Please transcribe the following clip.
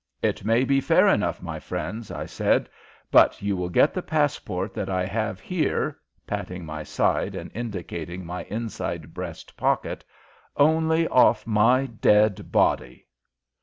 "It may be fair enough, my friends," I said, "but you will get the passport that I have here," patting my side and indicating my inside breast pocket, "only off my dead body!"